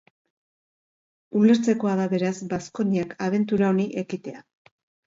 Ulertzekoa da, beraz, Baskoniak abentura honi ekitea.